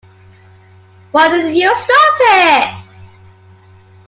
Why didn't you stop it?